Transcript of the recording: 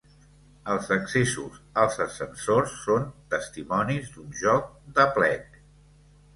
Els accessos als ascensors són testimonis d'un joc d'aplec.